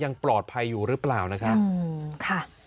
ยังปลอดภัยอยู่หรือเปล่านะคะ